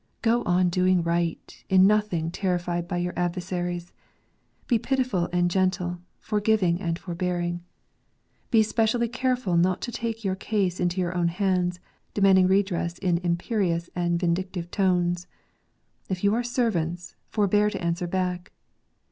Go on doing right, in nothing terrified by your adversaries. Be pitiful and gentle, forgiving and forbearing. Be specially careful not to take your case into your own hands ; demanding redress in im perious and vindictive tones. If you are servants, forbear to answer back.